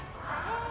ああ